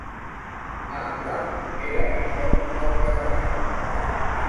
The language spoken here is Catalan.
Ah clar era això el que pagava.